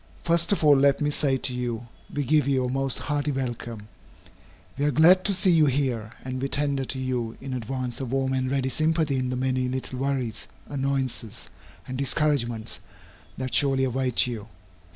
First of all let me say to you, we give you a most hearty welcome. We are glad to see you here, and we tender to you in advance a warm and ready sympathy in the many little worries, annoyances, and discouragements that surely await you.